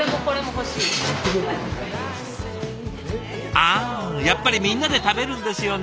あやっぱりみんなで食べるんですよね。